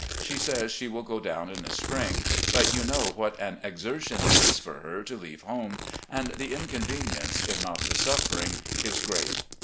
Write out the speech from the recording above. She says she will go down in the spring, but you know what an exer tion it is for her to leave home, and the inconvenience, if not the suffering, is great.